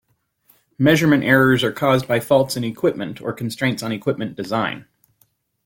Measurement errors are caused by faults in equipment or constraints on equipment design.